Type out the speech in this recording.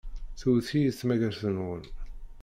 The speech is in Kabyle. Tewwet-iyi tmagart-nwen.